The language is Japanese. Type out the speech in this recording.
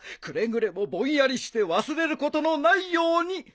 くれぐれもぼんやりして忘れることのないように。